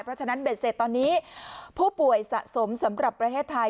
เพราะฉะนั้นเบ็ดเสร็จตอนนี้ผู้ป่วยสะสมสำหรับประเทศไทย